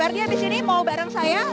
ferdi habis ini mau bareng saya